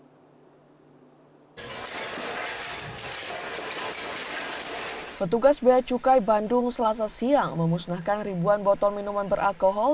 kepala beacukai bandung selasa siang memusnahkan ribuan botol minuman beralkohol